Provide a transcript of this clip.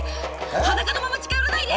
裸のまま近寄らないで！